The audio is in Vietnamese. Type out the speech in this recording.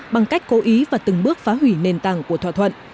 bằng cách cố ý và từng bước phá hủy nền tảng của thỏa thuận